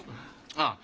ああ。